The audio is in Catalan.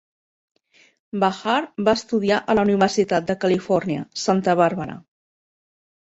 Bahar va estudiar a la Universitat de Califòrnia, Santa Bàrbara.